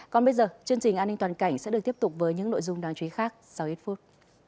còn bây giờ chương trình an ninh toàn cảnh sẽ được tiếp tục với những nội dung đáng chú ý khác sau ít phút